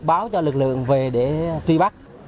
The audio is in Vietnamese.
rồi báo cho lực lượng về để truy bắt